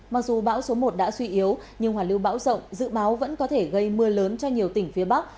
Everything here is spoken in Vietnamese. mặc dù bão số một đã suy yếu nhưng hoàn lưu bão rộng dự báo vẫn có thể gây mưa lớn cho nhiều tỉnh phía bắc